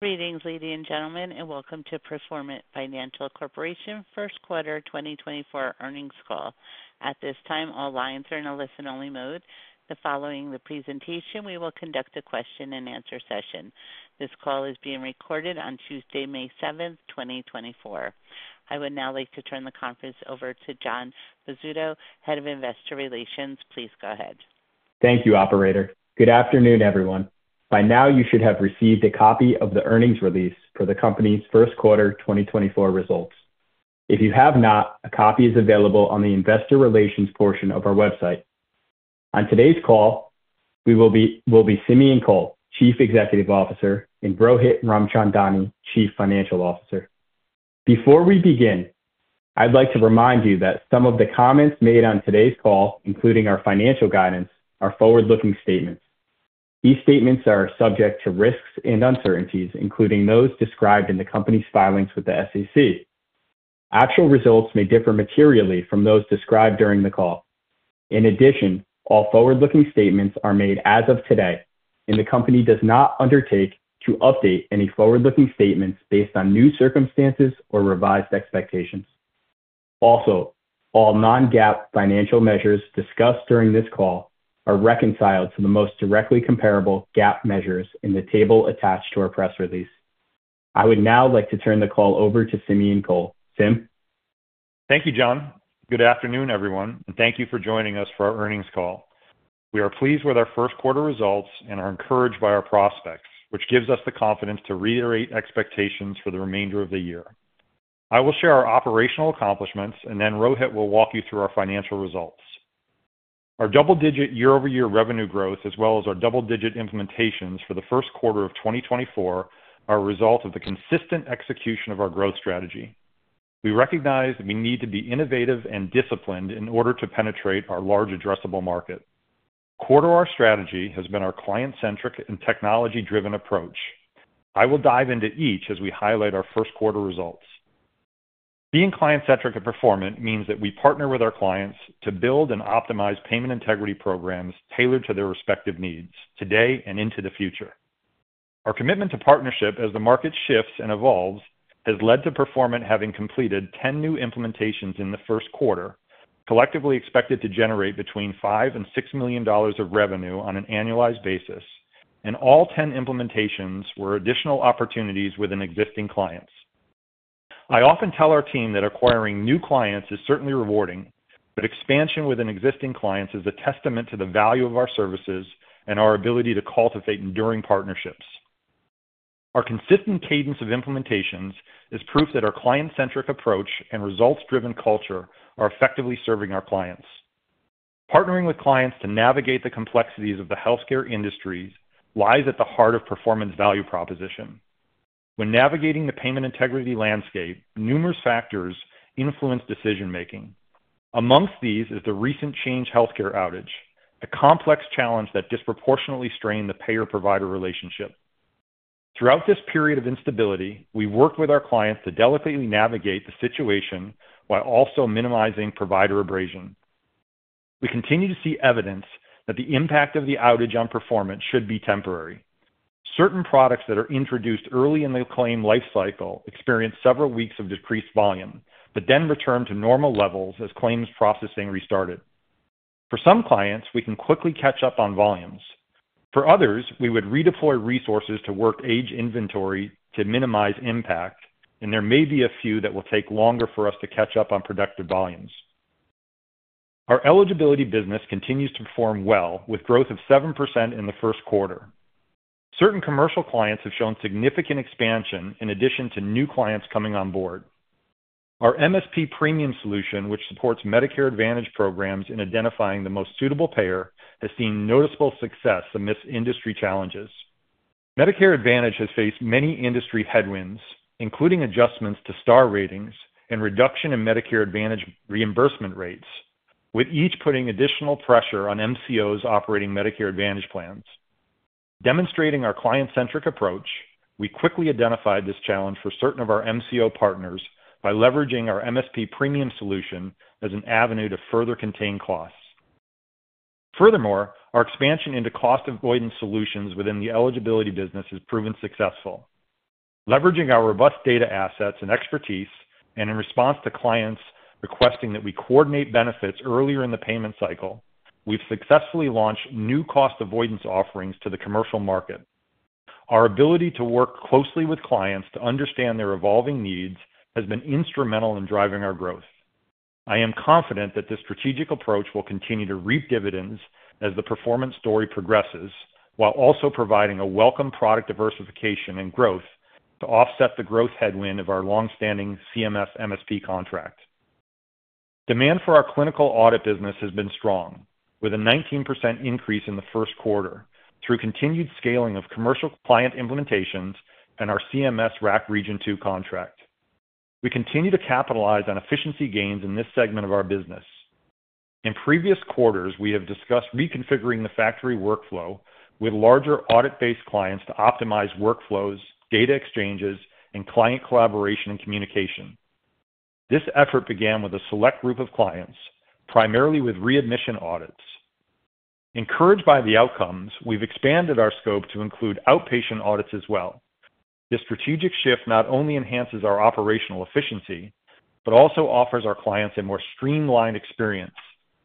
Greetings, ladies and gentlemen, and welcome to Performant Financial Corporation first quarter 2024 earnings call. At this time, all lines are in a listen-only mode. Following the presentation, we will conduct a question-and-answer session. This call is being recorded on Tuesday, May 7, 2024. I would now like to turn the conference over to Jon Bozzuto, Head of Investor Relations. Please go ahead. Thank you, operator. Good afternoon, everyone. By now, you should have received a copy of the earnings release for the company's first quarter 2024 results. If you have not, a copy is available on the investor relations portion of our website. On today's call, we will be Simeon Kohl, Chief Executive Officer, and Rohit Ramchandani, Chief Financial Officer. Before we begin, I'd like to remind you that some of the comments made on today's call, including our financial guidance, are forward-looking statements. These statements are subject to risks and uncertainties, including those described in the company's filings with the SEC. Actual results may differ materially from those described during the call. In addition, all forward-looking statements are made as of today, and the company does not undertake to update any forward-looking statements based on new circumstances or revised expectations. Also, all non-GAAP financial measures discussed during this call are reconciled to the most directly comparable GAAP measures in the table attached to our press release. I would now like to turn the call over to Simeon Kohl. Sim? Thank you, Jon. Good afternoon, everyone, and thank you for joining us for our earnings call. We are pleased with our first quarter results and are encouraged by our prospects, which gives us the confidence to reiterate expectations for the remainder of the year. I will share our operational accomplishments, and then Rohit will walk you through our financial results. Our double-digit year-over-year revenue growth, as well as our double-digit implementations for the first quarter of 2024, are a result of the consistent execution of our growth strategy. We recognize that we need to be innovative and disciplined in order to penetrate our large addressable market. Core to our strategy has been our client-centric and technology-driven approach. I will dive into each as we highlight our first quarter results. Being client-centric at Performant means that we partner with our clients to build and optimize payment integrity programs tailored to their respective needs, today and into the future. Our commitment to partnership as the market shifts and evolves, has led to Performant having completed 10 new implementations in the first quarter, collectively expected to generate between $5 million and 6 million of revenue on an annualized basis, and all 10 implementations were additional opportunities with existing clients. I often tell our team that acquiring new clients is certainly rewarding, but expansion within existing clients is a testament to the value of our services and our ability to cultivate enduring partnerships. Our consistent cadence of implementations is proof that our client-centric approach and results-driven culture are effectively serving our clients. Partnering with clients to navigate the complexities of the healthcare industry lies at the heart of Performant's value proposition. When navigating the payment integrity landscape, numerous factors influence decision-making. Among these is the recent Change Healthcare outage, a complex challenge that disproportionately strained the payer-provider relationship. Throughout this period of instability, we worked with our clients to delicately navigate the situation while also minimizing provider abrasion. We continue to see evidence that the impact of the outage on Performant should be temporary. Certain products that are introduced early in the claim lifecycle experienced several weeks of decreased volume, but then returned to normal levels as claims processing restarted. For some clients, we can quickly catch up on volumes. For others, we would redeploy resources to work age inventory to minimize impact, and there may be a few that will take longer for us to catch up on productive volumes. Our eligibility business continues to perform well, with growth of 7% in the first quarter. Certain commercial clients have shown significant expansion in addition to new clients coming on board. Our MSP Premium solution, which supports Medicare Advantage programs in identifying the most suitable payer, has seen noticeable success amidst industry challenges. Medicare Advantage has faced many industry headwinds, including adjustments to Star ratings and reduction in Medicare Advantage reimbursement rates, with each putting additional pressure on MCOs operating Medicare Advantage plans. Demonstrating our client-centric approach, we quickly identified this challenge for certain of our MCO partners by leveraging our MSP Premium solution as an avenue to further contain costs. Furthermore, our expansion into cost avoidance solutions within the eligibility business has proven successful. Leveraging our robust data assets and expertise, and in response to clients requesting that we coordinate benefits earlier in the payment cycle, we've successfully launched new cost avoidance offerings to the commercial market. Our ability to work closely with clients to understand their evolving needs has been instrumental in driving our growth. I am confident that this strategic approach will continue to reap dividends as the Performant story progresses, while also providing a welcome product diversification and growth to offset the growth headwind of our long-standing CMS MSP contract. Demand for our clinical audit business has been strong, with a 19% increase in the first quarter, through continued scaling of commercial client implementations and our CMS RAC Region 2 contract. We continue to capitalize on efficiency gains in this segment of our business. In previous quarters, we have discussed reconfiguring the factory workflow with larger audit-based clients to optimize workflows, data exchanges, and client collaboration and communication. This effort began with a select group of clients, primarily with readmission audits.... Encouraged by the outcomes, we've expanded our scope to include outpatient audits as well. This strategic shift not only enhances our operational efficiency, but also offers our clients a more streamlined experience,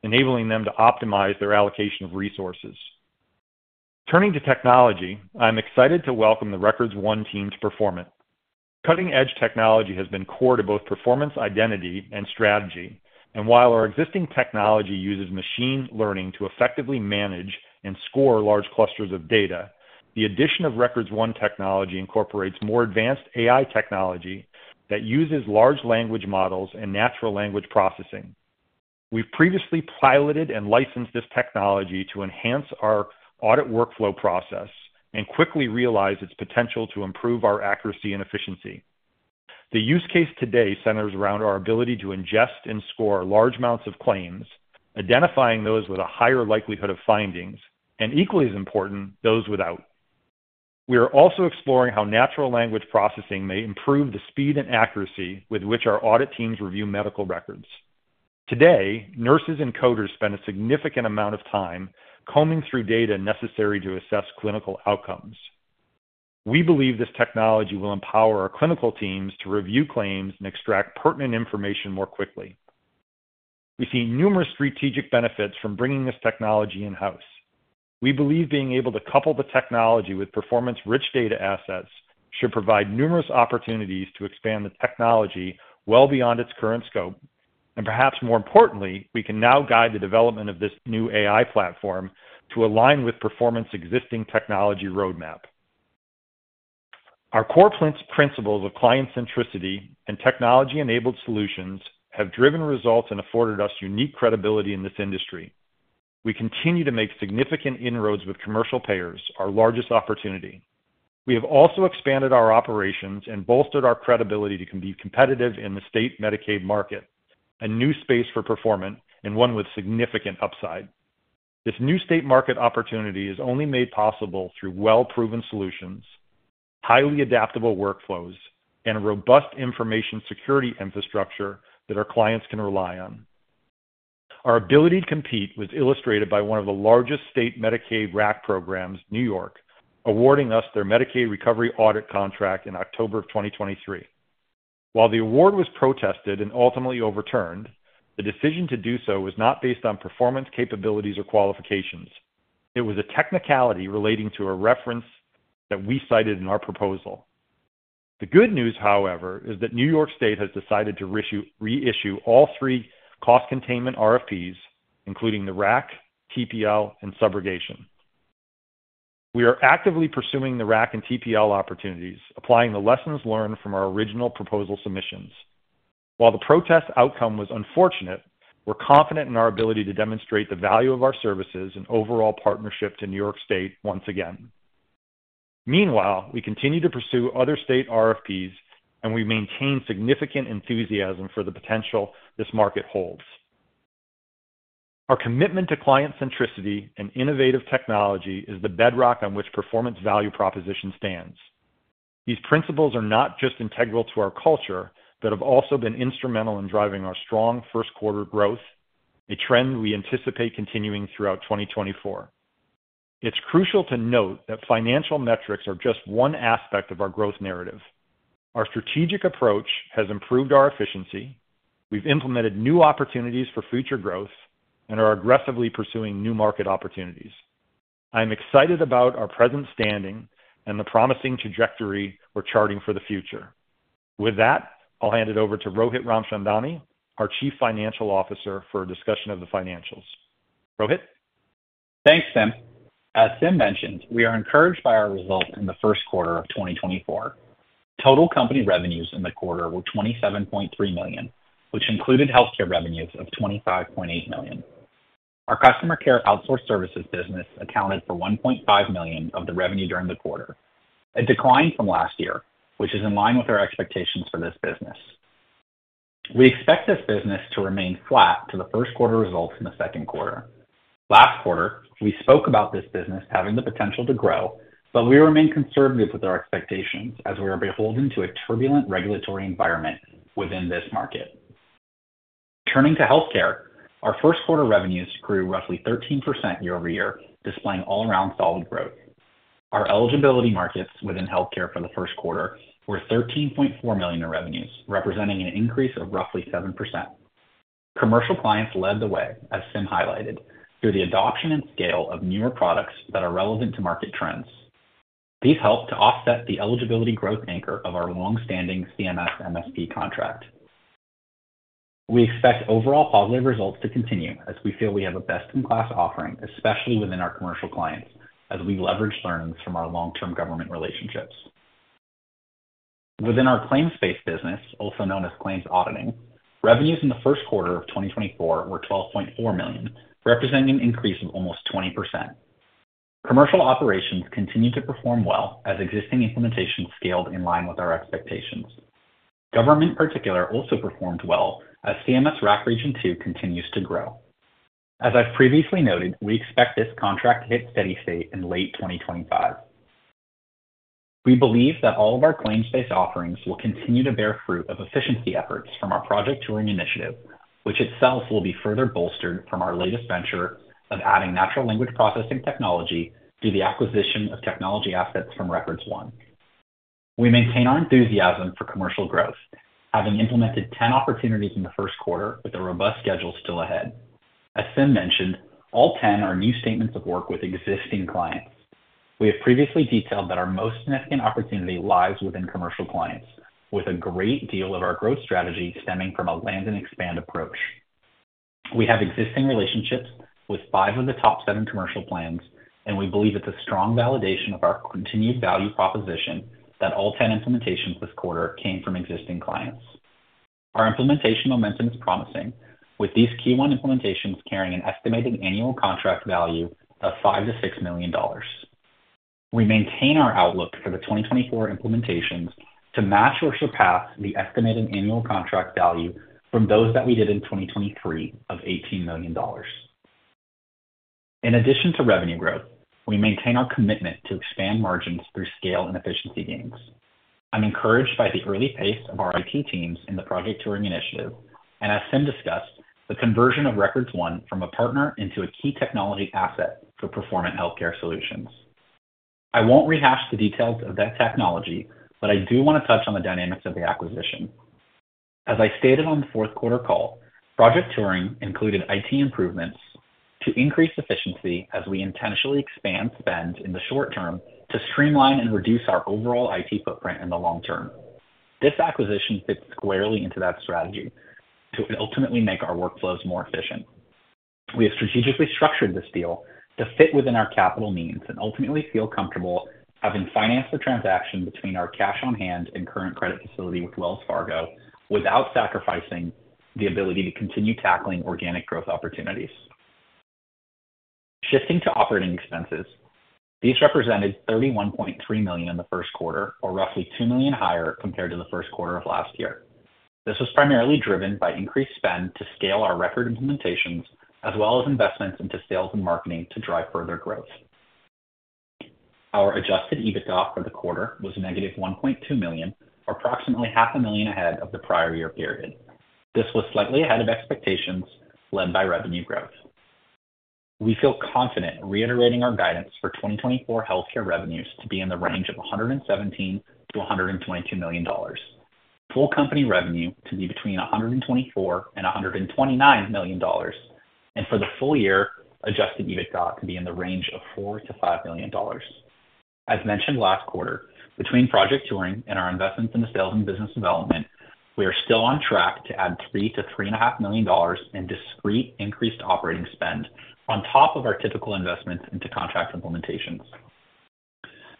enabling them to optimize their allocation of resources. Turning to technology, I'm excited to welcome the RecordsOne team to Performant. Cutting-edge technology has been core to both Performant's identity and strategy, and while our existing technology uses machine learning to effectively manage and score large clusters of data, the addition of RecordsOne technology incorporates more advanced AI technology that uses large language models and natural language processing. We've previously piloted and licensed this technology to enhance our audit workflow process and quickly realize its potential to improve our accuracy and efficiency. The use case today centers around our ability to ingest and score large amounts of claims, identifying those with a higher likelihood of findings, and equally as important, those without. We are also exploring how natural language processing may improve the speed and accuracy with which our audit teams review medical records. Today, nurses and coders spend a significant amount of time combing through data necessary to assess clinical outcomes. We believe this technology will empower our clinical teams to review claims and extract pertinent information more quickly. We see numerous strategic benefits from bringing this technology in-house. We believe being able to couple the technology with Performant's rich data assets should provide numerous opportunities to expand the technology well beyond its current scope, and perhaps more importantly, we can now guide the development of this new AI platform to align with Performant's existing technology roadmap. Our core principles of client centricity and technology-enabled solutions have driven results and afforded us unique credibility in this industry. We continue to make significant inroads with commercial payers, our largest opportunity. We have also expanded our operations and bolstered our credibility to be competitive in the state Medicaid market, a new space for Performant, and one with significant upside. This new state market opportunity is only made possible through well-proven solutions, highly adaptable workflows, and a robust information security infrastructure that our clients can rely on. Our ability to compete was illustrated by one of the largest state Medicaid RAC programs, New York, awarding us their Medicaid recovery audit contract in October of 2023. While the award was protested and ultimately overturned, the decision to do so was not based on Performant's capabilities or qualifications. It was a technicality relating to a reference that we cited in our proposal. The good news, however, is that New York State has decided to reissue all three cost containment RFPs, including the RAC, TPL, and subrogation. We are actively pursuing the RAC and TPL opportunities, applying the lessons learned from our original proposal submissions. While the protest outcome was unfortunate, we're confident in our ability to demonstrate the value of our services and overall partnership to New York State once again. Meanwhile, we continue to pursue other state RFPs, and we maintain significant enthusiasm for the potential this market holds. Our commitment to client centricity and innovative technology is the bedrock on which Performant's value proposition stands. These principles are not just integral to our culture, but have also been instrumental in driving our strong first quarter growth, a trend we anticipate continuing throughout 2024. It's crucial to note that financial metrics are just one aspect of our growth narrative. Our strategic approach has improved our efficiency, we've implemented new opportunities for future growth, and are aggressively pursuing new market opportunities. I'm excited about our present standing and the promising trajectory we're charting for the future. With that, I'll hand it over to Rohit Ramchandani, our Chief Financial Officer, for a discussion of the financials. Rohit? Thanks, Sim. As Sim mentioned, we are encouraged by our results in the first quarter of 2024. Total company revenues in the quarter were $27.3 million, which included healthcare revenues of $25.8 million. Our customer care outsource services business accounted for $1.5 million of the revenue during the quarter, a decline from last year, which is in line with our expectations for this business. We expect this business to remain flat to the first quarter results in the second quarter. Last quarter, we spoke about this business having the potential to grow, but we remain conservative with our expectations as we are beholden to a turbulent regulatory environment within this market. Turning to healthcare, our first quarter revenues grew roughly 13% year-over-year, displaying all around solid growth. Our eligibility markets within healthcare for the first quarter were $13.4 million in revenues, representing an increase of roughly 7%. Commercial clients led the way, as Sim highlighted, through the adoption and scale of newer products that are relevant to market trends. These helped to offset the eligibility growth anchor of our long-standing CMS MSP contract. We expect overall positive results to continue, as we feel we have a best-in-class offering, especially within our commercial clients, as we leverage learnings from our long-term government relationships. Within our claims-based business, also known as claims auditing, revenues in the first quarter of 2024 were $12.4 million, representing an increase of almost 20%. Commercial operations continued to perform well as existing implementations scaled in line with our expectations. Government in particular also performed well as CMS RAC Region 2 continues to grow. As I've previously noted, we expect this contract to hit steady state in late 2025. We believe that all of our claims-based offerings will continue to bear fruit of efficiency efforts from our Project Turing initiative, which itself will be further bolstered from our latest venture of adding natural language processing technology through the acquisition of technology assets from RecordsOne. We maintain our enthusiasm for commercial growth, having implemented 10 opportunities in the first quarter with a robust schedule still ahead. As Sim mentioned, all 10 are new statements of work with existing clients. We have previously detailed that our most significant opportunity lies within commercial clients, with a great deal of our growth strategy stemming from a land and expand approach. We have existing relationships with 5 of the top 7 commercial plans, and we believe it's a strong validation of our continued value proposition that all 10 implementations this quarter came from existing clients. Our implementation momentum is promising, with these Q1 implementations carrying an estimated annual contract value of $5 million-$6 million. We maintain our outlook for the 2024 implementations to match or surpass the estimated annual contract value from those that we did in 2023 of $18 million. In addition to revenue growth, we maintain our commitment to expand margins through scale and efficiency gains. I'm encouraged by the early pace of our IT teams in the Project Turing initiative, and as Sim discussed, the conversion of RecordsOne from a partner into a key technology asset for Performant Healthcare Solutions. I won't rehash the details of that technology, but I do want to touch on the dynamics of the acquisition. As I stated on the fourth quarter call, Project Turing included IT improvements to increase efficiency as we intentionally expand spend in the short term to streamline and reduce our overall IT footprint in the long term. This acquisition fits squarely into that strategy to ultimately make our workflows more efficient. We have strategically structured this deal to fit within our capital needs and ultimately feel comfortable having financed the transaction between our cash on hand and current credit facility with Wells Fargo, without sacrificing the ability to continue tackling organic growth opportunities. Shifting to operating expenses, these represented $31.3 million in the first quarter, or roughly $2 million higher compared to the first quarter of last year. This was primarily driven by increased spend to scale our RecordsOne implementations, as well as investments into sales and marketing to drive further growth. Our Adjusted EBITDA for the quarter was negative $1.2 million, or approximately $0.5 million ahead of the prior year period. This was slightly ahead of expectations, led by revenue growth. We feel confident reiterating our guidance for 2024 healthcare revenues to be in the range of $117 million to 122 million. Full company revenue to be between $124 million and $129 million, and for the full year, Adjusted EBITDA to be in the range of $4 million-$5 million. As mentioned last quarter, between Project Turing and our investments in the sales and business development, we are still on track to add $3 million-$3.5 million in discrete increased operating spend on top of our typical investments into contract implementations.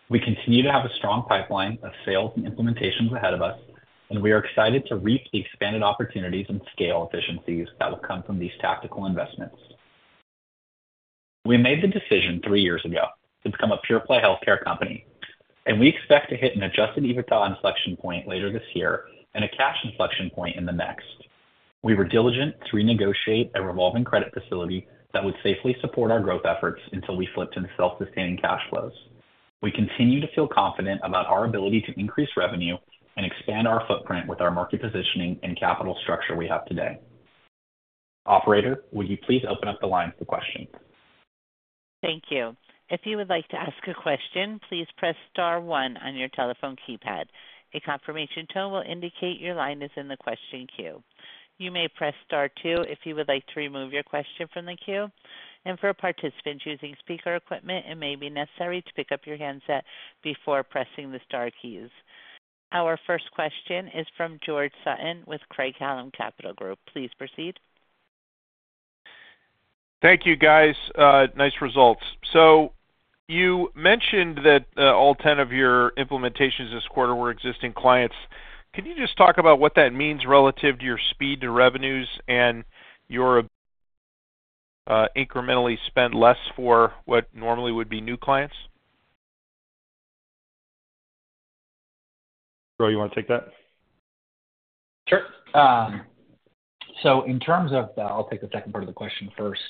We continue to have a strong pipeline of sales and implementations ahead of us, and we are excited to reap the expanded opportunities and scale efficiencies that will come from these tactical investments. We made the decision three years ago to become a pure-play healthcare company, and we expect to hit an Adjusted EBITDA inflection point later this year and a cash inflection point in the next. We were diligent to renegotiate a revolving credit facility that would safely support our growth efforts until we flipped into self-sustaining cash flows. We continue to feel confident about our ability to increase revenue and expand our footprint with our market positioning and capital structure we have today. Operator, would you please open up the line for questions. Thank you. If you would like to ask a question, please press star one on your telephone keypad. A confirmation tone will indicate your line is in the question queue. You may press star two if you would like to remove your question from the queue. For participants using speaker equipment, it may be necessary to pick up your handset before pressing the star keys. Our first question is from George Sutton with Craig-Hallum Capital Group. Please proceed. Thank you, guys. Nice results. So you mentioned that all 10 of your implementations this quarter were existing clients. Can you just talk about what that means relative to your speed to revenues and your incrementally spend less for what normally would be new clients? Rohit, you want to take that? Sure. So in terms of the, I'll take the second part of the question first.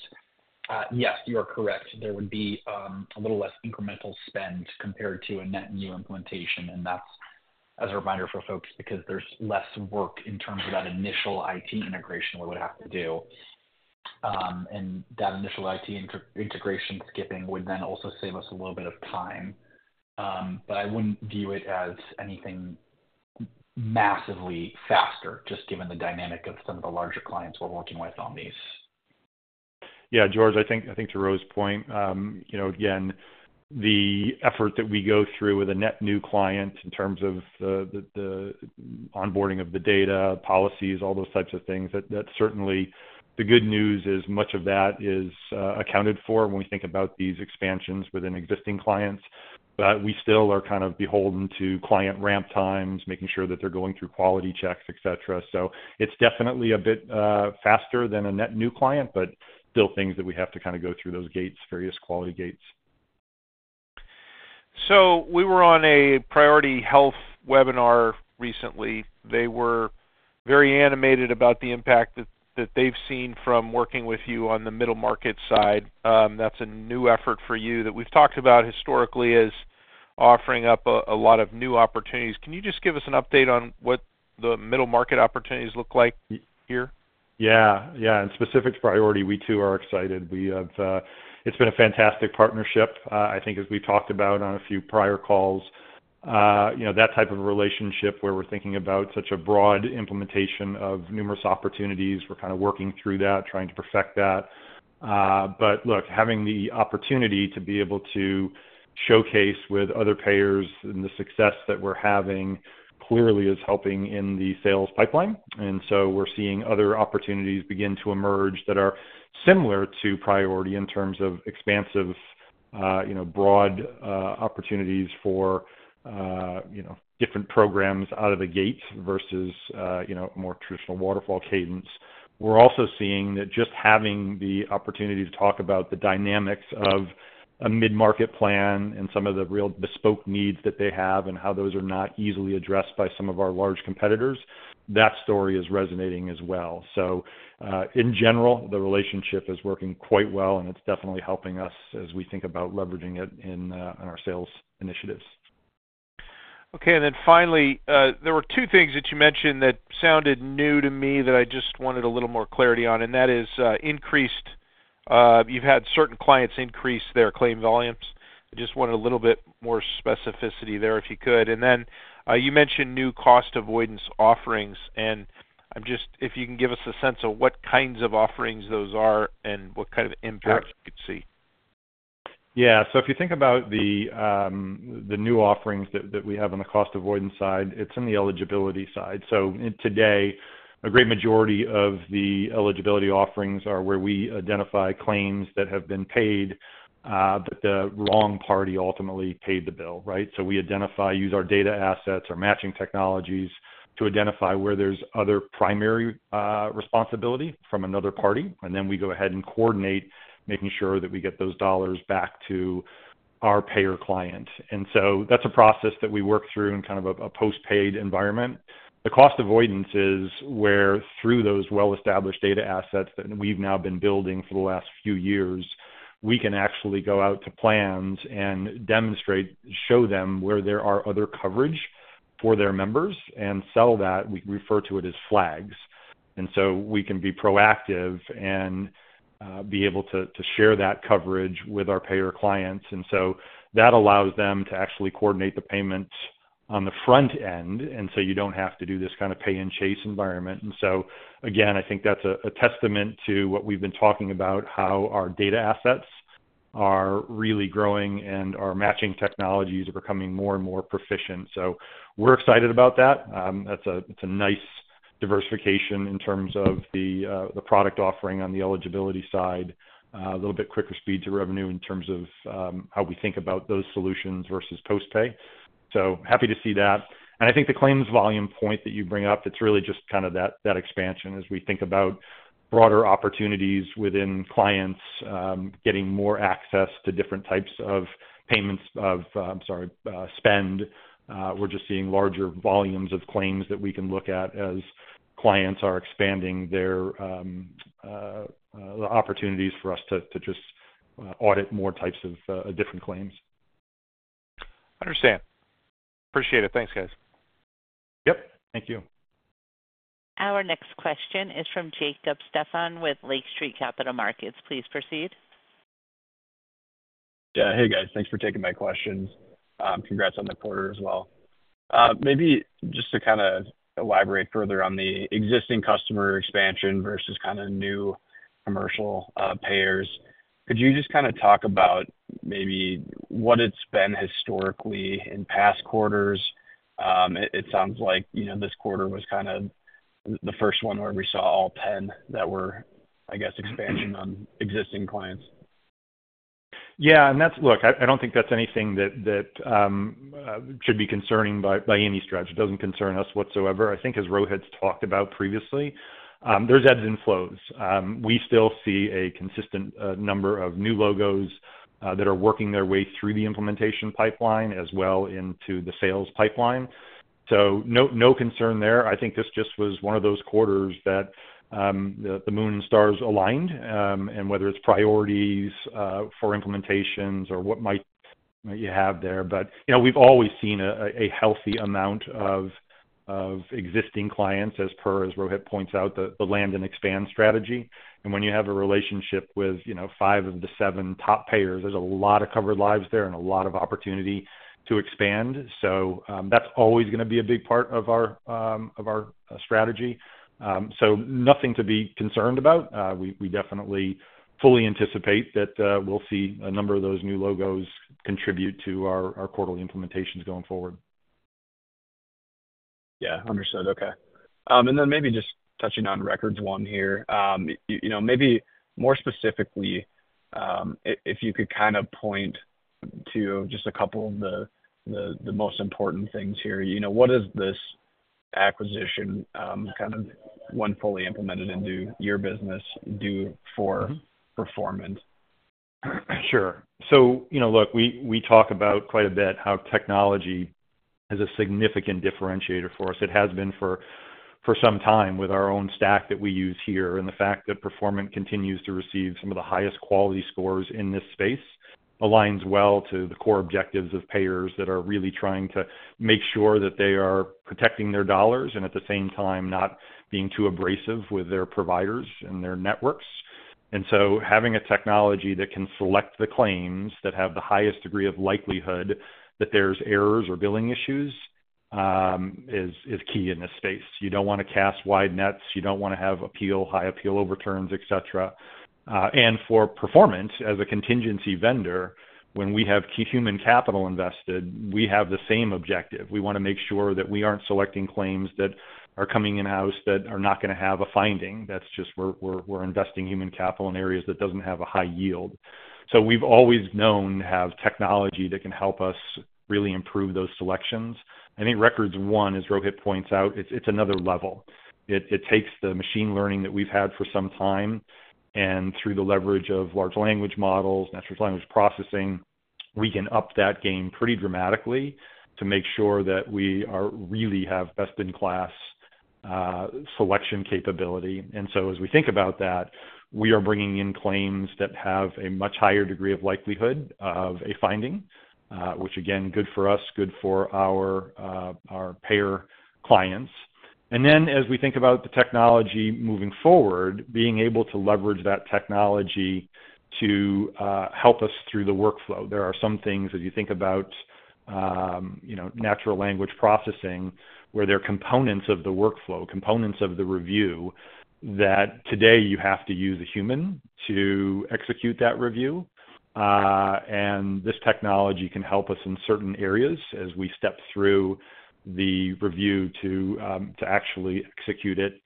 Yes, you are correct. There would be a little less incremental spend compared to a net new implementation, and that's as a reminder for folks, because there's less work in terms of that initial IT integration we would have to do. And that initial IT inter-integration skipping would then also save us a little bit of time. But I wouldn't view it as anything massively faster, just given the dynamic of some of the larger clients we're working with on these. Yeah, George, I think to Roh's point, you know, again, the effort that we go through with a net new client in terms of the onboarding of the data, policies, all those types of things, that certainly the good news is much of that is accounted for when we think about these expansions within existing clients. But we still are kind of beholden to client ramp times, making sure that they're going through quality checks, et cetera. So it's definitely a bit faster than a net new client, but still things that we have to kind of go through those gates, various quality gates. So we were on a Priority Health webinar recently. They were very animated about the impact that they've seen from working with you on the middle market side. That's a new effort for you that we've talked about historically as offering up a lot of new opportunities. Can you just give us an update on what the middle market opportunities look like here? Yeah. Yeah, and specific to Priority, we too are excited. We have, it's been a fantastic partnership. I think as we talked about on a few prior calls, you know, that type of relationship where we're thinking about such a broad implementation of numerous opportunities, we're kind of working through that, trying to perfect that. But look, having the opportunity to be able to showcase with other payers and the success that we're having, clearly is helping in the sales pipeline. And so we're seeing other opportunities begin to emerge that are similar to Priority in terms of expansive, you know, broad, opportunities for, you know, different programs out of the gate versus, you know, more traditional waterfall cadence. We're also seeing that just having the opportunity to talk about the dynamics of a mid-market plan and some of the real bespoke needs that they have and how those are not easily addressed by some of our large competitors, that story is resonating as well. So, in general, the relationship is working quite well, and it's definitely helping us as we think about leveraging it in, in our sales initiatives. Okay, and then finally, there were two things that you mentioned that sounded new to me that I just wanted a little more clarity on, and that is increased, you've had certain clients increase their claim volumes. I just wanted a little bit more specificity there, if you could. And then, you mentioned new cost avoidance offerings, and I'm just—if you can give us a sense of what kinds of offerings those are and what kind of impact you could see? Yeah. So if you think about the new offerings that we have on the cost avoidance side, it's in the eligibility side. So today, a great majority of the eligibility offerings are where we identify claims that have been paid, but the wrong party ultimately paid the bill, right? So we identify, use our data assets or matching technologies to identify where there's other primary responsibility from another party, and then we go ahead and coordinate, making sure that we get those dollars back to our payer client. And so that's a process that we work through in kind of a post-paid environment. The cost avoidance is where through those well-established data assets that we've now been building for the last few years, we can actually go out to plans and demonstrate, show them where there are other coverage for their members and sell that. We refer to it as flags. And so we can be proactive and be able to, to share that coverage with our payer clients. And so that allows them to actually coordinate the payment on the front end, and so you don't have to do this kind of pay-and-chase environment. And so again, I think that's a testament to what we've been talking about, how our data assets are really growing and our matching technologies are becoming more and more proficient. So we're excited about that. That's a nice diversification in terms of the product offering on the eligibility side, a little bit quicker speed to revenue in terms of how we think about those solutions versus post-pay. So happy to see that. And I think the claims volume point that you bring up, it's really just kind of that expansion as we think about broader opportunities within clients, getting more access to different types of payments of, I'm sorry, spend. We're just seeing larger volumes of claims that we can look at as clients are expanding their the opportunities for us to just audit more types of different claims. Understand. Appreciate it. Thanks, guys. Yep, thank you. Our next question is from Jacob Steffan with Lake Street Capital Markets. Please proceed. Yeah. Hey, guys. Thanks for taking my questions. Congrats on the quarter as well. Maybe just to kind of elaborate further on the existing customer expansion versus kind of new commercial payers, could you just kind of talk about maybe what it's been historically in past quarters? It sounds like, you know, this quarter was kind of the first one where we saw all 10 that were, I guess, expansion on existing clients? I don't think that's anything that should be concerning by any stretch. It doesn't concern us whatsoever. I think as Rohit's talked about previously, there's ebbs and flows. We still see a consistent number of new logos that are working their way through the implementation pipeline as well into the sales pipeline. So no, no concern there. I think this just was one of those quarters that the moon and stars aligned, and whether it's priorities for implementations or what might you have there. But, you know, we've always seen a healthy amount of existing clients as per, as Rohit points out, the land and expand strategy. When you have a relationship with, you know, five of the seven top payers, there's a lot of covered lives there and a lot of opportunity to expand. So, that's always gonna be a big part of our strategy. So nothing to be concerned about. We definitely fully anticipate that we'll see a number of those new logos contribute to our quarterly implementations going forward. Yeah, understood. Okay. And then maybe just touching on RecordsOne here. You know, maybe more specifically, if you could kind of point to just a couple of the most important things here. You know, what is this acquisition, kind of when fully implemented into your business, due for performance? Sure. We talk about quite a bit how technology is a significant differentiator for us. It has been for some time, with our own stack that we use here, and the fact that Performant continues to receive some of the highest quality scores in this space, aligns well to the core objectives of payers that are really trying to make sure that they are protecting their dollars, and at the same time, not being too abrasive with their providers and their networks. And so having a technology that can select the claims that have the highest degree of likelihood that there's errors or billing issues, is key in this space. You don't want to cast wide nets, you don't want to have appeal, high appeal overturns, et cetera. And for Performant, as a contingency vendor, when we have key human capital invested, we have the same objective. We want to make sure that we aren't selecting claims that are coming in-house that are not gonna have a finding. That's just we're investing human capital in areas that doesn't have a high yield. So we've always known to have technology that can help us really improve those selections. I think RecordsOne, as Rohit points out, it's another level. It takes the machine learning that we've had for some time, and through the leverage of large language models, natural language processing, we can up that game pretty dramatically to make sure that we are really have best-in-class selection capability. And so as we think about that, we are bringing in claims that have a much higher degree of likelihood of a finding, which again, good for us, good for our payer clients. And then as we think about the technology moving forward, being able to leverage that technology to help us through the workflow. There are some things, as you think about, you know, natural language processing, where there are components of the workflow, components of the review, that today you have to use a human to execute that review. And this technology can help us in certain areas as we step through the review to actually execute it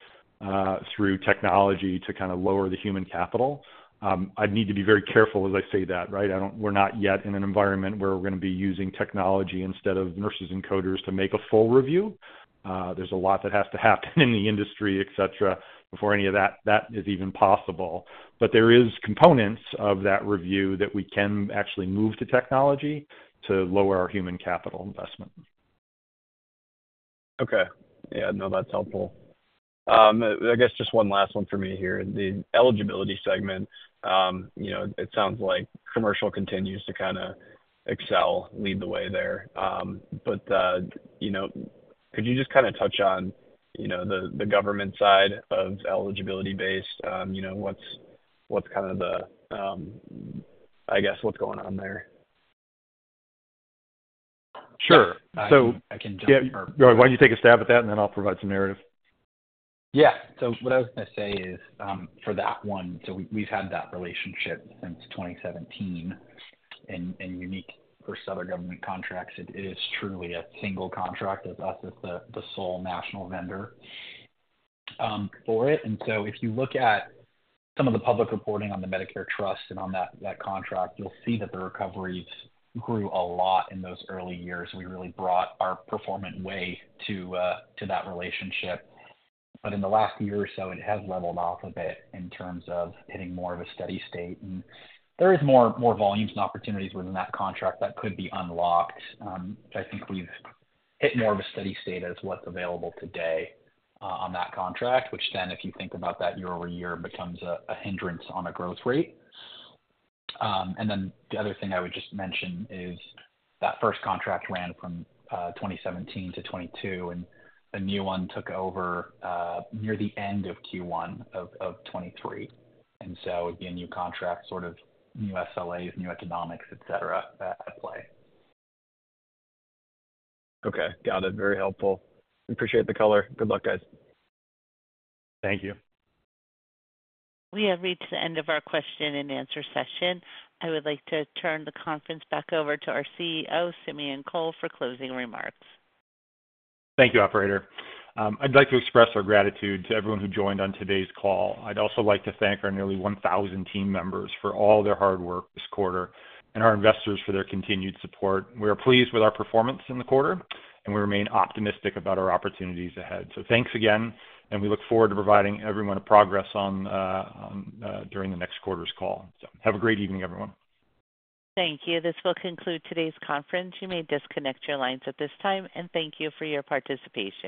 through technology to kind of lower the human capital. I need to be very careful as I say that, right? I don't, we're not yet in an environment where we're gonna be using technology instead of nurses and coders to make a full review. There's a lot that has to happen in the industry, et cetera, before any of that, that is even possible. But there is components of that review that we can actually move to technology to lower our human capital investment. Okay. Yeah, no, that's helpful. I guess just one last one for me here. The eligibility segment, you know, it sounds like commercial continues to kinda excel, lead the way there. But, you know, could you just kind of touch on, you know, the government side of eligibility-based? You know, what's kind of, I guess, what's going on there? Sure. So- I can jump in. Simeon, why don't you take a stab at that, and then I'll provide some narrative? Yeah. So what I was gonna say is, for that one, so we, we've had that relationship since 2017. And, and unique for other government contracts, it is truly a single contract with us as the, the sole national vendor, for it. And so if you look at some of the public reporting on the Medicare Trust and on that, that contract, you'll see that the recoveries grew a lot in those early years. We really brought our Performant way to, to that relationship. But in the last year or so, it has leveled off a bit in terms of hitting more of a steady state. And there is more, more volumes and opportunities within that contract that could be unlocked, which I think we've hit more of a steady state as what's available today, on that contract, which then, if you think about that year-over-year, becomes a hindrance on a growth rate. And then the other thing I would just mention is that first contract ran from 2017 to 2022, and the new one took over near the end of Q1 of 2023. And so again, new contract, sort of new SLAs, new economics, et cetera, at play. Okay, got it. Very helpful. Appreciate the color. Good luck, guys. Thank you. We have reached the end of our question-and-answer session. I would like to turn the conference back over to our CEO, Simeon Kohl, for closing remarks. Thank you, operator. I'd like to express our gratitude to everyone who joined on today's call. I'd also like to thank our nearly 1,000 team members for all their hard work this quarter, and our investors for their continued support. We are pleased with our performance in the quarter, and we remain optimistic about our opportunities ahead. Thanks again, and we look forward to providing everyone a progress on during the next quarter's call. Have a great evening, everyone. Thank you. This will conclude today's conference. You may disconnect your lines at this time, and thank you for your participation.